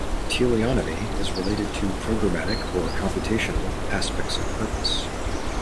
Teleonomy is related to programmatic or computational aspects of purpose.